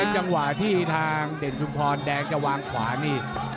จังหวะที่ทางเด่นชุมพรแดงจะวางขวานี่